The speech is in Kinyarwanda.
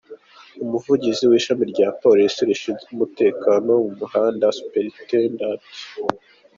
Umuvugizi w’Ishami rya Polisi rishinzwe umutekano wo mu muhanda, Supt.